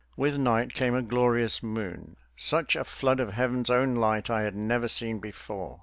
With night came a glorious moon. Such a flood of heaven's own light I had never seen before.